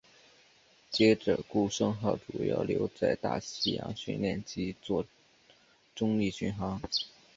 接着顾盛号主要留在大西洋训练及作中立巡航。